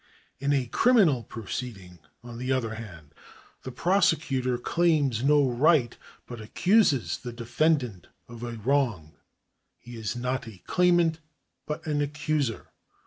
In a criminal pro ceeding, on the other hand, the prosecutor claims no right, but accuses the defendant of a wrong. He is not a claimant, but an accuser.